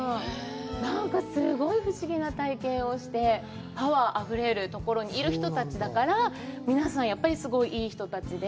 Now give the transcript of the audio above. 何かすごい不思議な体験をして、パワーあふれるところにいる人たちだから、皆さん、やっぱりすごいいい人たちで。